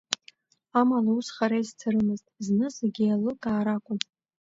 Амала ус хара изцарымызт, зны зегь еилылкаар акәын.